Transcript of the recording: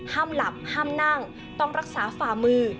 ห้ามหลับห้ามนั่งต้องรักษาฝ่ามือ